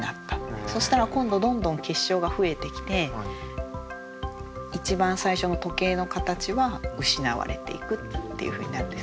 そしたら今度どんどん結晶が増えてきて一番最初の時計の形は失われていくっていうふうになるんです。